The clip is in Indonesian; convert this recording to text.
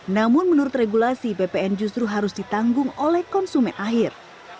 namun menurut regulasi bpn justru harus ditanggung oleh konsumen akhir